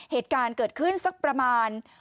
เหตุการณ์เกิดขึ้นสักประมาณ